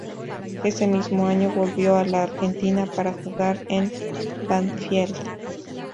Ese mismo año volvió a la Argentina, para jugar en Banfield.